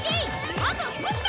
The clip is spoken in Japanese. あと少しだ！